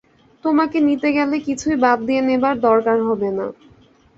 তোমাকে নিতে গেলে কিছুই বাদ দিয়ে নেবার দরকার হবে না।